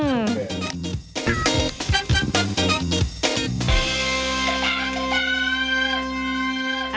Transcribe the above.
อืม